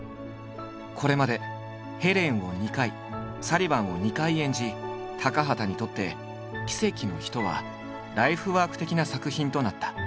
これまでヘレンを２回サリヴァンを２回演じ高畑にとって「奇跡の人」はライフワーク的な作品となった。